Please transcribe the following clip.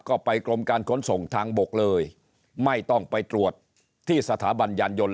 ก็ไปกรมการขนส่งทางบกเลยไม่ต้องไปตรวจที่สถาบันยานยนต